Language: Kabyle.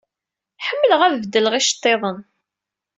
Ḥemmleɣ ad beddleɣ iceḍḍiḍen.